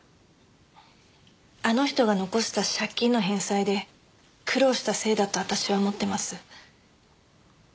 あの人が残した借金の返済で苦労したせいだと私は思ってます。